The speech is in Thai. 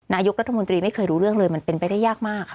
นายกรัฐมนตรีไม่เคยรู้เรื่องเลยมันเป็นไปได้ยากมากค่ะ